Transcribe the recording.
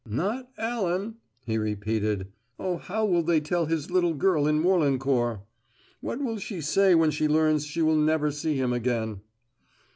"Not Allan?" he repeated. "Oh, how will they tell his little girl in Morlancourt? What will she say when she learns she will never see him again?"